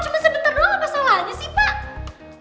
masih sebentar doang apa salahnya sih pak